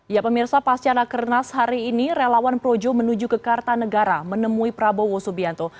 ya pemirsa pasca nakernas hari ini relawan projo menuju ke kartanegara menemui prabowo subianto